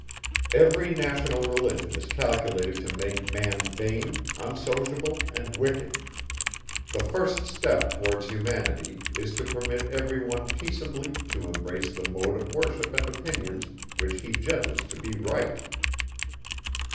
Every national religion is calculated to make man vain, unsociable, and wicked; the first step towards humanity is to permit every one peaceably to embrace the mode of worship and opinions, which he judges to be right.